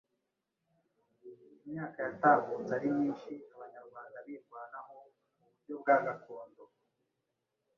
Imyaka yatambutse ari myinshi Abanyarwanda birwanaho mu buryo bwa gakondo,